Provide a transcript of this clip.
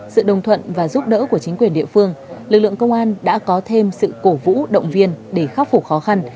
sự cổ vũ động viên để khắc phục khó khăn